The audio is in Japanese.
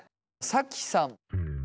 さきさん。